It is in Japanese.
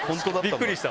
びっくりした。